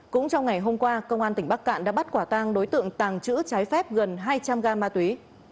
cũng trong ngày hôm qua công an tỉnh bắc cạn đã bắt quả tăng đối tượng tàng chữ trái phép gần hai trăm linh ga ma túy